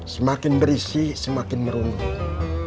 semakin berisi semakin merungut